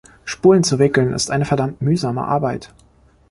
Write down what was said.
Spulen zu wickeln ist eine verdammt mühsame Arbeit.